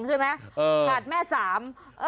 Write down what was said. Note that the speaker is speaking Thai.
ถามได้แค่แม่๒ใช่ไหมถามแม่๓